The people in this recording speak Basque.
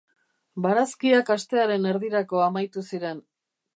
Barazkiak astearen erdirako amaitu ziren.